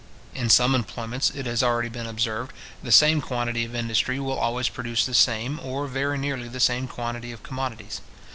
In some employments, it has already been observed, the same quantity of industry will always produce the same, or very nearly the same quantity of commodities.